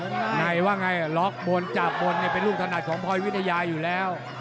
ในว่าไงล็อกบนจับบนเป็นลูกถนัดของพลอยวิทยาอยู่แล้ว